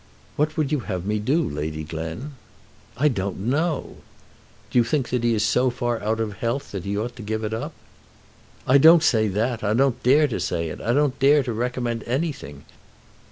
"What would you have me do, Lady Glen?" "I don't know." "Do you think that he is so far out of health that he ought to give it up?" "I don't say that. I don't dare to say it. I don't dare to recommend anything.